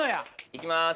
いきます。